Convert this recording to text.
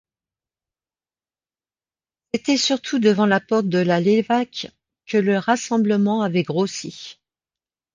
C’était surtout devant la porte de la Levaque que le rassemblement avait grossi.